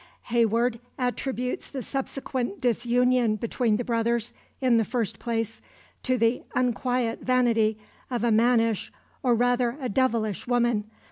Hayward attributes the subsequent disunion between the brothers, in the first place, to "the unquiet vanity of a mannish, or rather a devilish woman